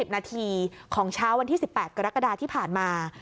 นาทีของเช้าวันที่๑๘กรกฎาที่ผ่านมา